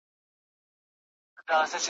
پر و نئ که دي کیسه ده هم تیر یږ ي